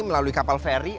melalui kapal feri